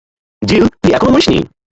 জিল তুই এখনও মরিসনি?